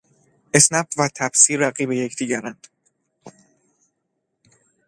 اسنپ و تپسی رقیب یکدیگرند!